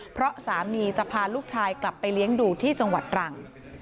เพราะสามีจะพาลูกชายกลับไปเลี้ยงดูที่จังหวัดตรัง